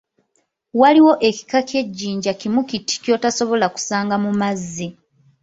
Waliwo ekika ky'ejjinja kimu kiti ky'otosobola kusanga mu mazzi.